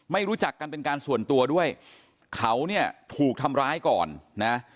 ไม่รู้จักกันเป็นการส่วนตัวด้วยเขาถูกทำร้ายก่อน